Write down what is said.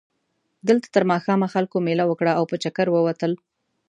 دلته تر ماښامه خلکو مېله وکړه او په چکر ووتل.